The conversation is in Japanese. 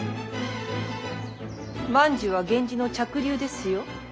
万寿は源氏の嫡流ですよ。